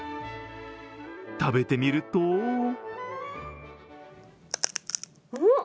食べてみるとうん？